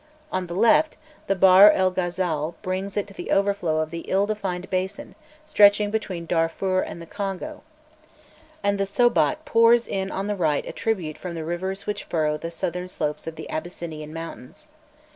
On the left, the Bahr el Ghazâl brings it the overflow of the ill defined basin stretching between Darfûr and the Congo; and the Sobat pours in on the right a tribute from the rivers which furrow the southern slopes of the Abyssinian mountains.